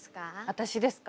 私ですか？